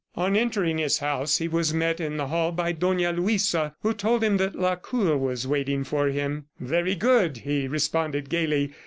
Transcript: On entering his house, he was met in the hall by Dona Luisa, who told him that Lacour was waiting for him. "Very good!" he responded gaily.